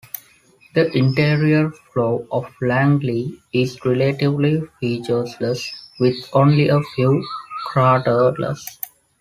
The interior floor of Langley is relatively featureless, with only a few craterlets.